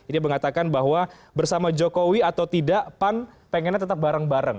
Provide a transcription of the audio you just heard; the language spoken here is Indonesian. dia mengatakan bahwa bersama jokowi atau tidak pan pengennya tetap bareng bareng